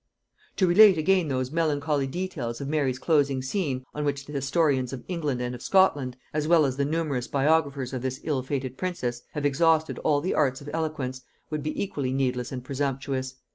To relate again those melancholy details of Mary's closing scene, on which the historians of England and of Scotland, as well as the numerous biographers of this ill fated princess, have exhausted all the arts of eloquence, would be equally needless and presumptuous.